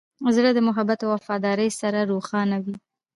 زړه د محبت او وفادارۍ سره روښانه وي.